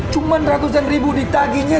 cuman ratusan ribu ditagihnya